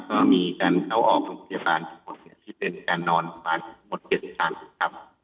ก็มีการเท้าออกโรงพยาบาลทั้งหมดที่เป็นการนอนพลาดทั้งหมดเก็บทั้งครับ